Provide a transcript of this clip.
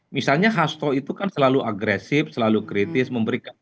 misalnya hasto itu kan selalu agresif selalu kritis memberikan